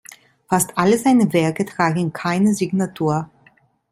Fast alle seine Werke tragen keine Signatur.